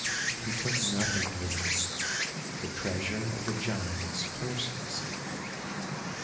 He took nothing with him. "The treasure of the giant is cursed," he said.